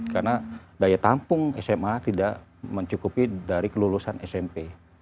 karena daya tampung sma tidak mencukupi dari kelulusan smp